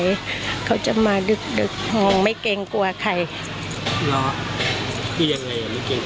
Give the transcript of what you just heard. อยู่เติมต้วยเขาจะมาดึกมองไม่เกรงกลัวใครมองนะที่มาบ้านร้านเห็นนะ